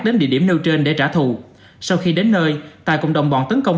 đến địa điểm nêu trên để trả thù sau khi đến nơi tài cùng đồng bọn tấn công